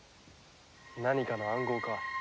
何かの暗号か。